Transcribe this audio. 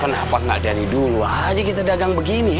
kenapa gak dari dulu aja kita dagang begini ya